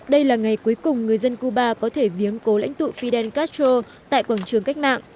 đây là ngày cuối cùng người dân cuba có thể viếng cố lãnh tụ fidel castro tại quảng trường cách mạng